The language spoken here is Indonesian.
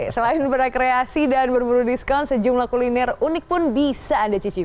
selain berekreasi dan berburu diskon sejumlah kuliner unik pun bisa anda cicipi